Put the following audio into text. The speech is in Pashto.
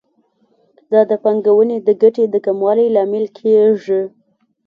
دا د پانګونې د ګټې د کموالي لامل کیږي.